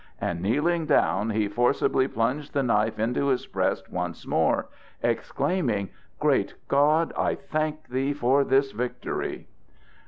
and kneeling down he forcibly plunged the knife into his breast once more, exclaiming: "Great God, I thank thee for this victory."